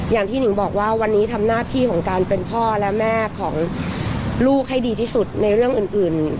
อย่างที่หนิงบอกว่าวันนี้ทำหน้าที่ของการเป็นพ่อและแม่ของลูกให้ดีที่สุดในเรื่องอื่น